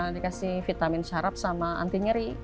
dikasih vitamin syarap sama anti nyeri